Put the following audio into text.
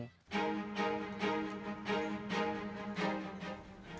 sepak bola adalah sebuah kompetitif yang menyebabkan kegiatan di dunia